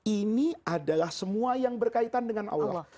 ini adalah semua yang berkaitan dengan allah